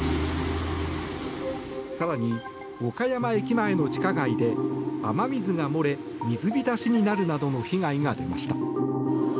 更に岡山駅前の地下街で雨水が漏れ水浸しになるなどの被害が出ました。